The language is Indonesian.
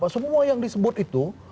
semua yang disebut itu